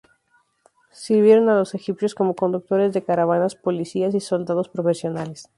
Sirvieron a los egipcios como conductores de caravanas, policías y soldados profesionales.